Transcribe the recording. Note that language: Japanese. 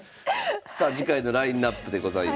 さあ次回のラインナップでございます。